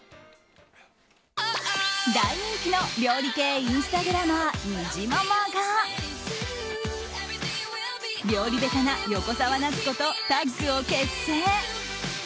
大人気の料理系インスタグラマーにじままが料理ベタな横澤夏子とタッグを結成。